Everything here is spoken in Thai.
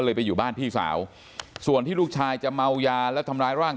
ไปอยู่บ้านพี่สาวส่วนที่ลูกชายจะเมายาและทำร้ายร่าง